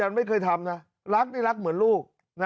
ยืนยันไม่เคยทำนะรักและไม่รักเหมือนลูก